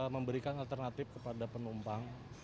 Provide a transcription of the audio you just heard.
memberikan alternatif kepada penumpang